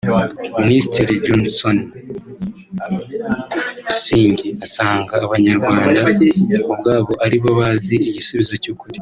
Minisitiri Johnston Busingye asanga abanyarwanda ubwabo ari bo bazi igisubizo cy’ukuri